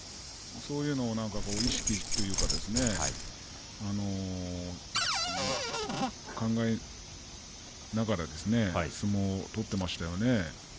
そういうのを意識するというか考えながら相撲を取っていましたね。